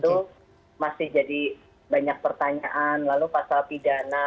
itu masih jadi banyak pertanyaan lalu pasal pidana